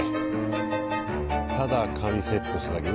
ただ髪セットしただけ。